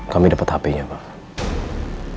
kami dapet hpnya pak